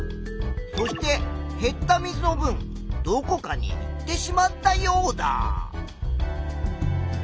そして減った水のぶんどこかにいってしまったヨウダ。